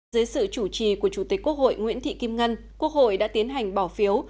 dưới sự chủ trì của chủ tịch quốc hội nguyễn thị kim ngân quốc hội đã tiến hành bỏ phiếu